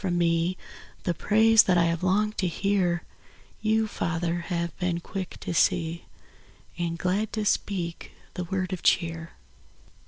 from me The praise that I have longed to hear, Y>u, Father, have been quick to see Ar^d glad to speak the word of cheer.